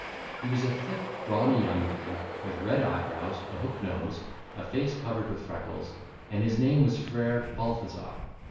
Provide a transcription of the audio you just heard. He was a thick brawny young man, with red eyebrows, a hook nose, a face covered with freckles; and his name was Frere Balthazar.